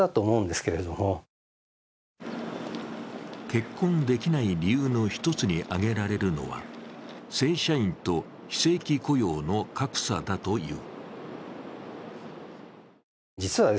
結婚できない理由の一つに挙げられるのは正社員と非正規雇用の格差だという。